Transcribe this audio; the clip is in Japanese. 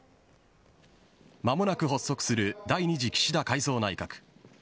まもなく発足する第２次岸田改造内閣。